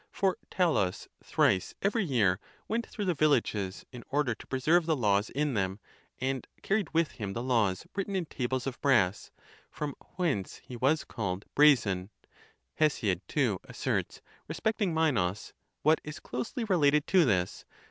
For Talus thrice every year went through the villages in order to preserve the laws in them, and carried with him the laws written in tables of brass; from whence he was called "brazen." Hesiod too asserts respecting Minos, what is closely related to this.